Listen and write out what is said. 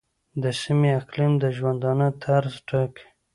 د سیمې اقلیم د ژوندانه طرز ټاکي.